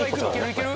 いける？